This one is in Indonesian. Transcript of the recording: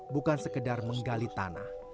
bukan sekedar menggali tanah